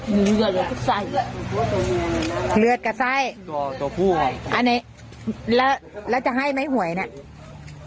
เลือดกับไส้อันนี้แล้วจะให้ไหมหวยเนี่ย